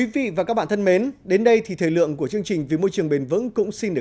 và xin hẹn gặp lại vào chương trình vì bôi trường bền vững kỳ sau